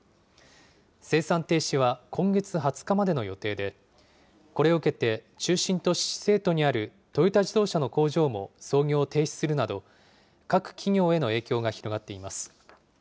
生産停止は今月２０日までの予定で、これを受けて、中心都市、成都にあるトヨタ自動車の工場も操業を停止するなど、各企業への影響が広がっています。